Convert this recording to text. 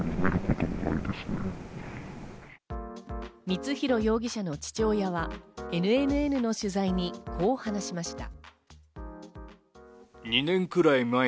光弘容疑者の父親はＮＮＮの取材にこう話しました。